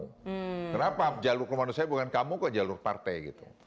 kenapa jalur komando saya bukan kamu kok jalur partai